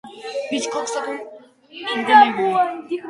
დაწერილი აქვს ორმოცი სპექტაკლი, რომელთაგან დღემდე მოღწეულია თერთმეტი.